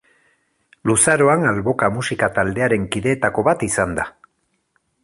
Luzaroan Alboka musika taldearen kideetako bat izan da.